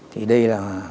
thì đây là